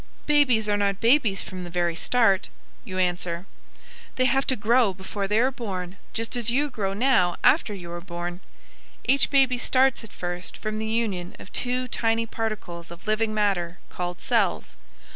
"Babies are not babies from the very start," you answer. "They have to grow before they are born just as you grow now after you are born. Each baby starts at first from the union of two tiny particles of living matter called cells.